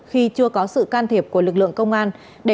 khi chưa có sự can thiệp của lực lượng công an